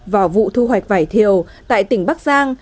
vào vụ thu hoạch vải thiều tại tỉnh bắc giang